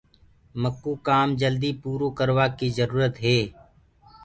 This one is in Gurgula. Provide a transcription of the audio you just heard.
مڪوُ ڪآم جلد پورو ڪروآ ڪيٚ جرُورت هي۔